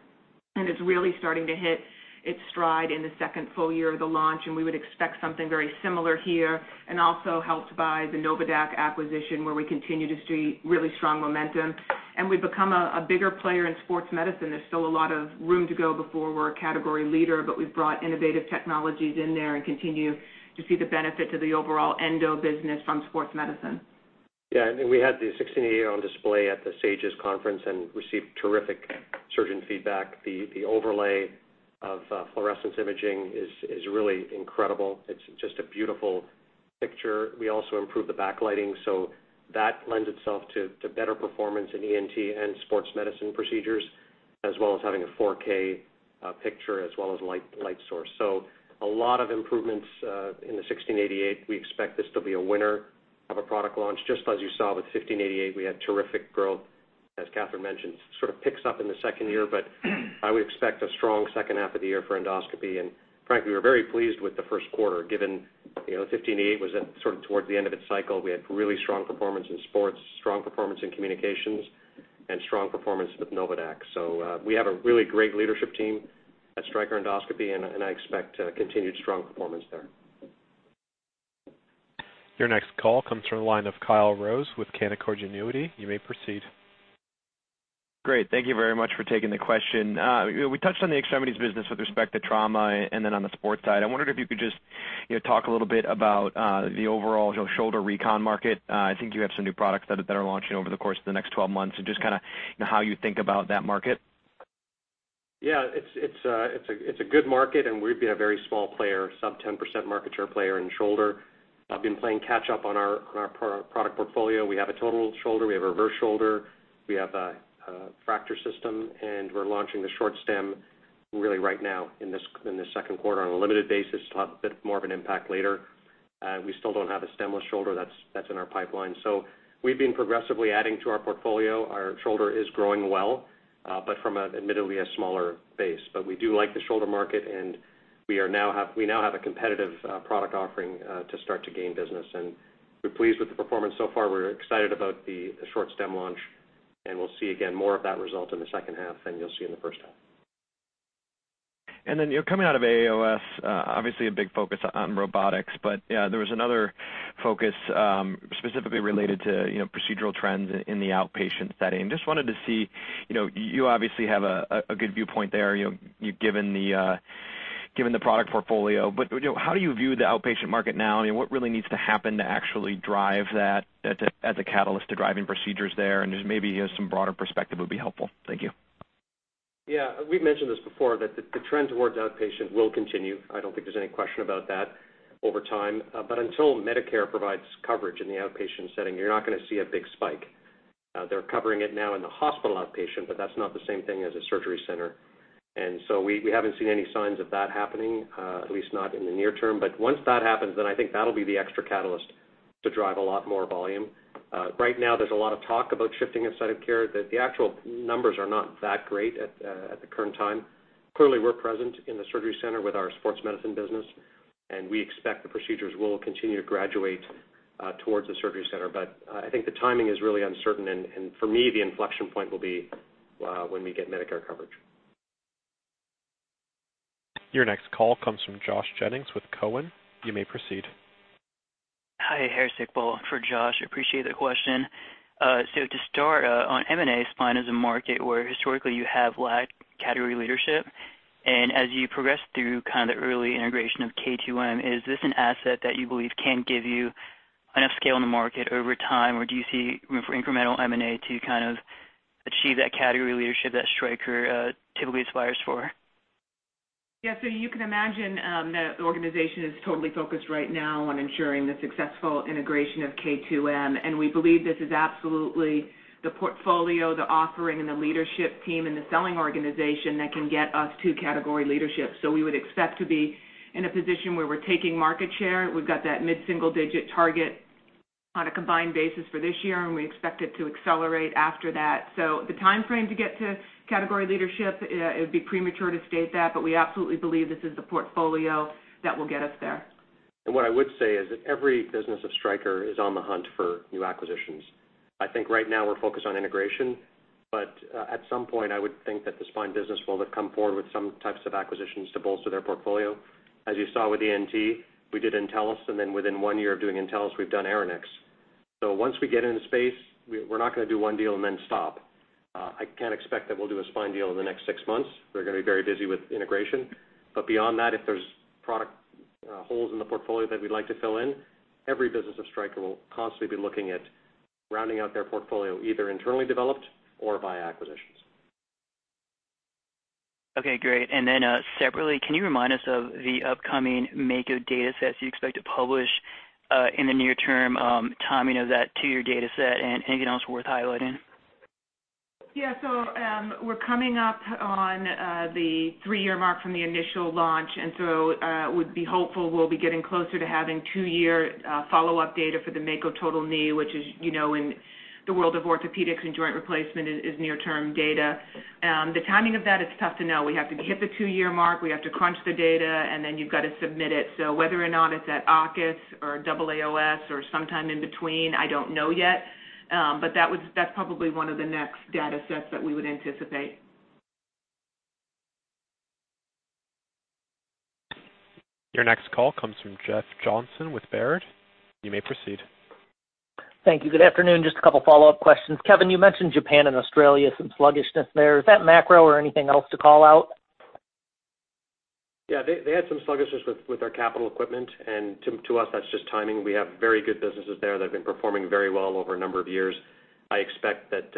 and it's really starting to hit its stride in the second full year of the launch, and we would expect something very similar here. Also helped by the NOVADAQ acquisition, where we continue to see really strong momentum. We've become a bigger player in sports medicine. There's still a lot of room to go before we're a category leader, but we've brought innovative technologies in there and continue to see the benefit to the overall Endo business from sports medicine. Yeah, we had the 1688 on display at the SAGES conference and received terrific surgeon feedback. The overlay of fluorescence imaging is really incredible. It's just a beautiful picture. We also improved the backlighting, that lends itself to better performance in ENT and sports medicine procedures, as well as having a 4K picture, as well as light source. A lot of improvements in the 1688. We expect this to be a winner of a product launch. Just as you saw with 1588, we had terrific growth, as Katherine mentioned, sort of picks up in the second year. I would expect a strong second half of the year for Endoscopy, and frankly, we're very pleased with the first quarter, given 1588 was at sort of towards the end of its cycle. We had really strong performance in sports, strong performance in communications, and strong performance with NOVADAQ. We have a really great leadership team at Stryker Endoscopy, and I expect continued strong performance there. Your next call comes from the line of Kyle Rose with Canaccord Genuity. You may proceed. Great. Thank you very much for taking the question. We touched on the extremities business with respect to trauma then on the sports side. I wondered if you could just talk a little bit about the overall shoulder recon market. I think you have some new products that are launching over the course of the next 12 months, just kind of how you think about that market. We've been a very small player, sub 10% market share player in shoulder. I've been playing catch up on our product portfolio. We have a total shoulder, we have a reverse shoulder, we have a fracture system, we're launching the short stem really right now in this second quarter on a limited basis, it'll have a bit more of an impact later. We still don't have a stemless shoulder. That's in our pipeline. We've been progressively adding to our portfolio. Our shoulder is growing well, but from admittedly a smaller base. We do like the shoulder market, we now have a competitive product offering to start to gain business. We're pleased with the performance so far. We're excited about the short stem launch, we'll see, again, more of that result in the second half than you'll see in the first half. Coming out of AAOS, obviously a big focus on robotics, there was another focus specifically related to procedural trends in the outpatient setting. Just wanted to see, you obviously have a good viewpoint there, given the product portfolio. How do you view the outpatient market now? What really needs to happen to actually drive that as a catalyst to driving procedures there? Just maybe some broader perspective would be helpful. Thank you. We've mentioned this before, that the trend towards outpatient will continue. I don't think there's any question about that over time. Until Medicare provides coverage in the outpatient setting, you're not going to see a big spike. They're covering it now in the hospital outpatient, that's not the same thing as a surgery center. We haven't seen any signs of that happening, at least not in the near term. Once that happens, I think that'll be the extra catalyst to drive a lot more volume. Right now, there's a lot of talk about shifting site of care, that the actual numbers are not that great at the current time. Clearly, we're present in the surgery center with our sports medicine business, we expect the procedures will continue to graduate towards the surgery center. I think the timing is really uncertain, and for me, the inflection point will be when we get Medicare coverage. Your next call comes from Joshua Jennings with Cowen. You may proceed. Hi. Harris Sichfritz for Josh. Appreciate the question. To start, on M&A, spine is a market where historically you have lacked category leadership. As you progress through kind of the early integration of K2M, is this an asset that you believe can give you enough scale in the market over time? Do you see room for incremental M&A to kind of achieve that category leadership that Stryker typically aspires for? Yeah. You can imagine the organization is totally focused right now on ensuring the successful integration of K2M. We believe this is absolutely the portfolio, the offering and the leadership team in the selling organization that can get us to category leadership. We would expect to be in a position where we're taking market share. We've got that mid-single-digit target on a combined basis for this year, and we expect it to accelerate after that. The timeframe to get to category leadership, it would be premature to state that, but we absolutely believe this is the portfolio that will get us there. What I would say is that every business of Stryker is on the hunt for new acquisitions. I think right now we're focused on integration. At some point, I would think that the spine business will come forward with some types of acquisitions to bolster their portfolio. As you saw with ENT, we did Entellus, and then within one year of doing Entellus, we've done Arrinex. Once we get into space, we're not going to do one deal and then stop. I can't expect that we'll do a spine deal in the next six months. We're going to be very busy with integration. Beyond that, if there's product holes in the portfolio that we'd like to fill in, every business of Stryker will constantly be looking at rounding out their portfolio, either internally developed or via acquisitions. Okay, great. Separately, can you remind us of the upcoming Mako data sets you expect to publish in the near term, timing of that two-year data set, and anything else worth highlighting? Yeah. We're coming up on the three-year mark from the initial launch, would be hopeful we'll be getting closer to having two-year follow-up data for the Mako total knee, which as you know, in the world of orthopedics and joint replacement is near-term data. The timing of that is tough to know. We have to hit the two-year mark. You've got to submit it. Whether or not it's at OCAS or AAOS or sometime in between, I don't know yet. That's probably one of the next data sets that we would anticipate. Your next call comes from Jeff Johnson with Baird. You may proceed. Thank you. Good afternoon. Just a couple follow-up questions. Kevin, you mentioned Japan and Australia, some sluggishness there. Is that macro or anything else to call out? Yeah, they had some sluggishness with our capital equipment. To us, that's just timing. We have very good businesses there that have been performing very well over a number of years. I expect that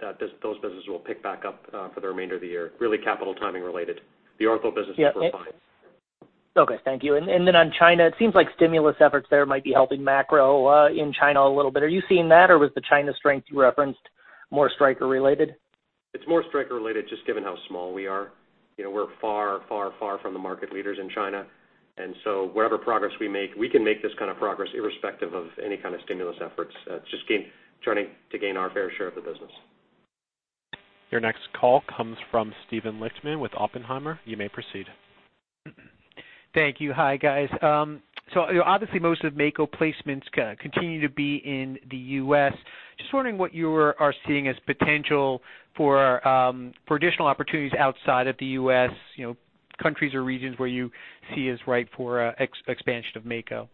those businesses will pick back up for the remainder of the year. It's really capital timing related. The ortho business is fine. Okay, thank you. On China, it seems like stimulus efforts there might be helping macro in China a little bit. Are you seeing that, or was the China strength you referenced more Stryker related? It's more Stryker related, just given how small we are. We're far from the market leaders in China. Whatever progress we make, we can make this kind of progress irrespective of any kind of stimulus efforts, just trying to gain our fair share of the business. Your next call comes from Steven Lichtman with Oppenheimer. You may proceed. Thank you. Hi, guys. Obviously most of Mako placements continue to be in the U.S. Just wondering what you are seeing as potential for additional opportunities outside of the U.S., countries or regions where you see as ripe for expansion of Mako.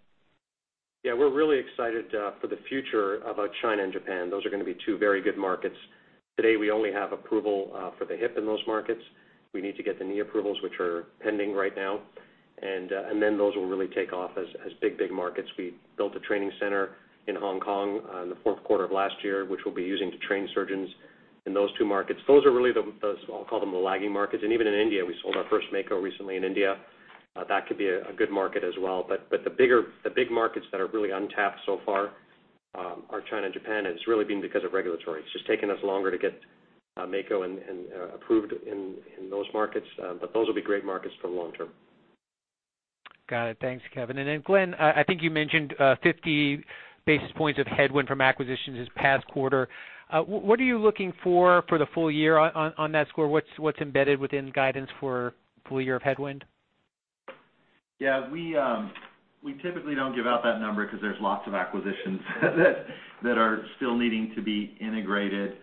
Yeah, we're really excited for the future about China and Japan. Those are going to be two very good markets. Today we only have approval for the hip in those markets. We need to get the knee approvals, which are pending right now. Then those will really take off as big markets. We built a training center in Hong Kong in the fourth quarter of last year, which we'll be using to train surgeons in those two markets. Those are really the, I'll call them the lagging markets. Even in India, we sold our first Mako recently in India. That could be a good market as well. The big markets that are really untapped so far are China and Japan, and it's really been because of regulatory. It's just taken us longer to get Mako approved in those markets. Those will be great markets for the long term. Got it. Thanks, Kevin. Glenn, I think you mentioned 50 basis points of headwind from acquisitions this past quarter. What are you looking for the full year on that score? What's embedded within guidance for full year of headwind? Yeah, we typically don't give out that number because there's lots of acquisitions that are still needing to be integrated.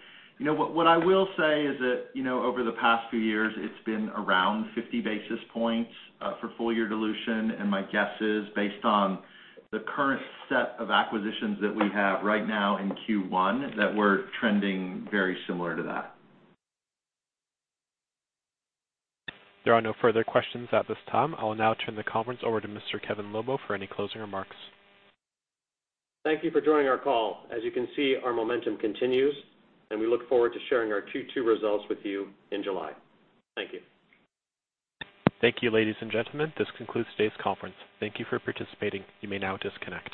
What I will say is that over the past few years, it's been around 50 basis points for full-year dilution. My guess is based on the current set of acquisitions that we have right now in Q1, that we're trending very similar to that. There are no further questions at this time. I will now turn the conference over to Mr. Kevin Lobo for any closing remarks. Thank you for joining our call. As you can see, our momentum continues. We look forward to sharing our Q2 results with you in July. Thank you. Thank you, ladies and gentlemen. This concludes today's conference. Thank you for participating. You may now disconnect.